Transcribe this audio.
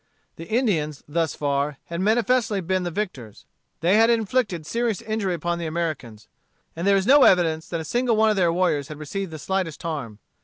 The Indians, thus far, had manifestly been the victors They had inflicted serious injury upon the Americans; and there is no evidence that a single one of their warriors had received the slightest harm.